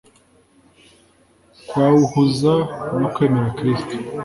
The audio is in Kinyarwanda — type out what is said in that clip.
kwawuhuza no kwemera Kristo.